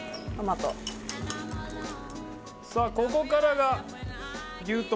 さあここからが。